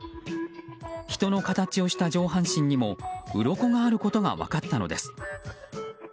人の形をした上半身にもうろこがあることが分かったのです。